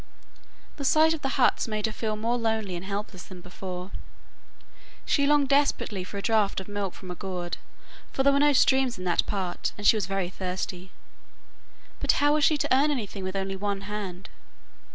The sight of the huts made her feel more lonely and helpless than before. She longed desperately for a draught of milk from a gourd, for there were no streams in that part, and she was very thirsty, but how was she to earn anything with only one hand?